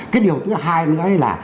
cái điều thứ hai nữa là